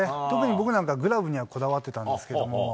特に僕はグラブにはこだわってたんですけど。